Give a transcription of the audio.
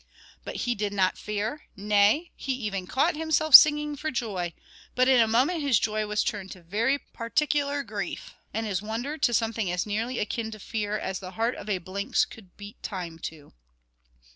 But he did not fear; nay he even caught himself singing for joy; but in a moment his joy was turned to very particular grief, and his wonder to something as nearly akin to fear as the heart of a Blinks could beat time to.